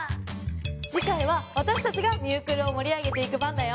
次回は私たちが「ミュークル」を盛り上げていく番だよ！